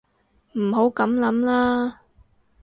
唔好噉諗啦